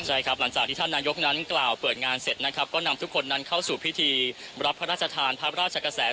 ใช่ครับหลังจากที่ท่านนายกนั้นกล่าวเปิดงานเสร็จนะครับก็นำทุกคนนั้นเข้าสู่พิธีรับพระราชทานพระราชกระแส